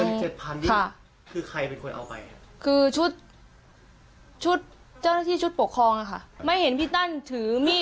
เงินเจ็ดพันที่คือใครเป็นคนเอาไป